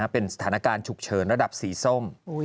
เป็นสถานการณ์ฉุกเฉินระดับสีส้ม